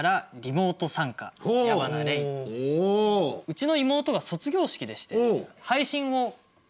うちの妹が卒業式でして配信をしていたので。